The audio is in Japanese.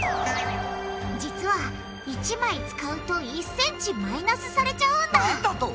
実は１枚使うと１ｃｍマイナスされちゃうんだなんだと？